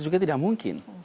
juga tidak mungkin